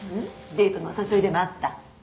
デートのお誘いでもあった？